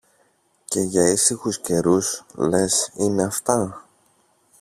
Και για ήσυχους καιρούς, λες, είναι αυτά;